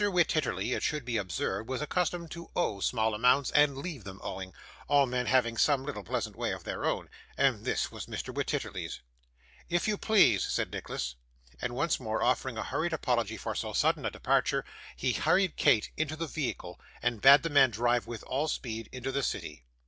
Wititterly, it should be observed, was accustomed to owe small accounts, and to leave them owing. All men have some little pleasant way of their own; and this was Mr. Wititterly's. 'If you please,' said Nicholas. And once more offering a hurried apology for so sudden a departure, he hurried Kate into the vehicle, and bade the man drive with all speed into the city.